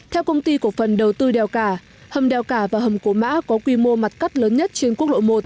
theo công ty cổ phần đầu tư đèo cả hầm đèo cả và hầm cổ mã có quy mô mặt cắt lớn nhất trên quốc lộ một